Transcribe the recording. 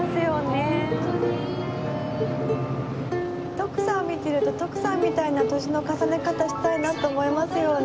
徳さんを見てると徳さんみたいな年の重ね方したいなと思いますよね。